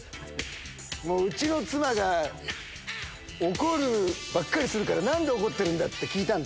うちの妻が怒るばっかりするから、なんで怒ってるんだって聞いたんだ。